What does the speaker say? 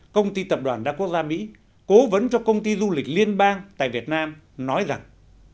công ty tập đoàn đa quốc gia mỹ cố vấn cho công ty du lịch liên bang tại việt nam nói rằng